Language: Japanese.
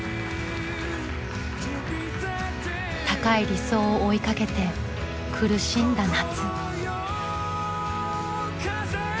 高い理想を追いかけて苦しんだ夏。